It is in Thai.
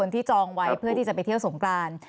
ที่จองไว้เพื่อที่จะไปเที่ยวสงกราน